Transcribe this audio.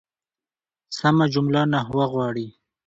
سمه جمله نحوه غواړي.